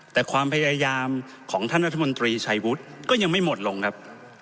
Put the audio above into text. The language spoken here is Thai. แต่ความพยายามของท่านรัฐมนตรีชัยวุฒิก็ยังไม่หมดลงครับ